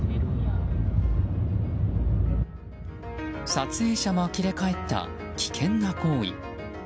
撮影者もあきれ返った危険な行為。